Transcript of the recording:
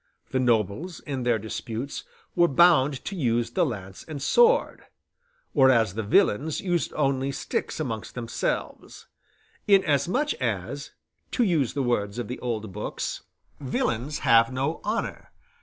The nobles, in their disputes, were bound to use the lance and sword; whereas the villains used only sticks amongst themselves, "inasmuch as," to use the words of the old books, "villains have no honor."